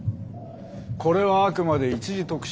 これはあくまで一時特赦。